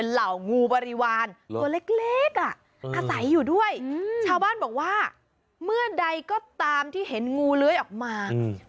ชาวบ้านบอกว่าเมื่อใดก็ตามที่เห็นงูเลื้อยออกมาอืม